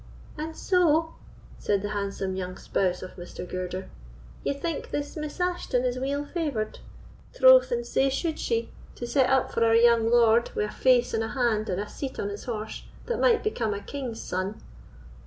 "And so," said the handsome young spouse of Mr. Girder, "ye think this Miss Ashton is weel favoured? Troth, and sae should she, to set up for our young lord, with a face and a hand, and a seat on his horse, that might become a king's son.